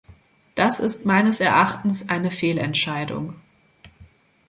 Das ist meines Erachtens eine Fehlentscheidung.